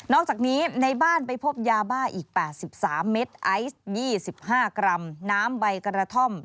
อกจากนี้ในบ้านไปพบยาบ้าอีก๘๓เม็ดไอซ์๒๕กรัมน้ำใบกระท่อม